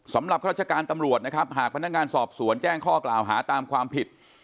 ข้าราชการตำรวจนะครับหากพนักงานสอบสวนแจ้งข้อกล่าวหาตามความผิด